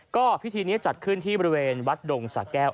ก็พิธีนี้จัดขึ้นที่บริเวณวัดดงสาแก้ว